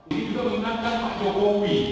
ini juga mengingatkan pak jokowi